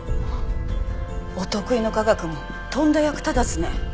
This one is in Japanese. お得意の科学もとんだ役立たずね。